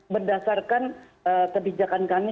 berdasarkan kebijakan kami